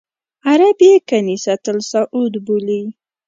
عرب یې کنیسۃ الصعود بولي.